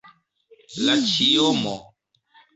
La ĉiomo.